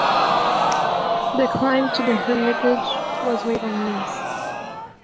The climb to the hermitage was made on knees.